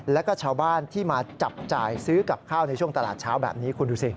แล้วก็ชาวบ้านที่มาจับจ่ายซื้อกับข้าวในช่วงตลาดเช้าแบบนี้คุณดูสิ